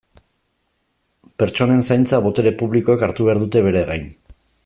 Pertsonen zaintza botere publikoek hartu behar dute bere gain.